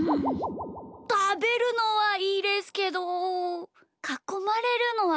たべるのはいいですけどかこまれるのはいやです。